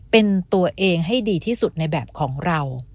เป็นตัวเองให้ดีที่สุดในแบบของเรา